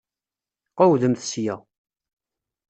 Qewwdemt sya!